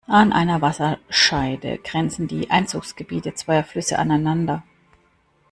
An einer Wasserscheide grenzen die Einzugsgebiete zweier Flüsse aneinander.